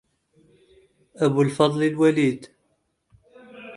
أبو الفضل الوليد